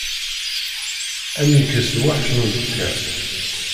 Ad m-yekkes lweḥc n uẓekka.